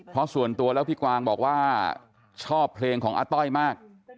เพราะส่วนตัวแล้วพี่กวางบอกว่าชอบเพลงของอาต้อยมาก